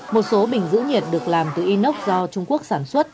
một số bình giữ nhiệt được làm từ inox do trung quốc sản xuất